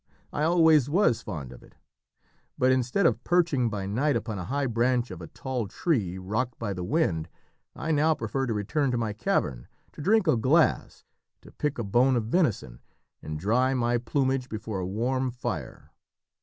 I always was fond of it; but instead of perching by night upon a high branch of a tall tree, rocked by the wind, I now prefer to return to my cavern, to drink a glass, to pick a bone of venison, and dry my plumage before a warm fire.